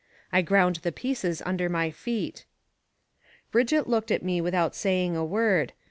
I ground the pieces under my feet. Brigitte looked at me without saying a word.